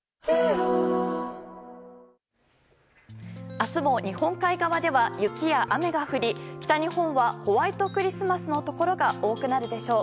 明日も日本海側では雪や雨が降り北日本はホワイトクリスマスのところが多くなるでしょう。